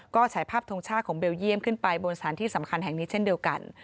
ก็ฉายภาพทรงชาติของเบลเยี่ยมขึ้นไปบนสถานที่สำคัญแห่งนี้เช่นเดียวกัน